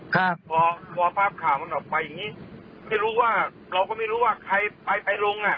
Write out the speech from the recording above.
ครับพอพอภาพข่าวมันออกไปอย่างงี้ที่รู้ว่าเราก็ไม่รู้ว่าใครไปใครลงอ่ะ